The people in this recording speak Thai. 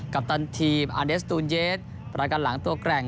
ปตันทีมอาเดสตูนเยสประกันหลังตัวแกร่ง